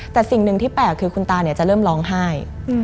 แต่สิ่งหนึ่งที่แปลกคือคุณตาจะเริ่มร้องไห้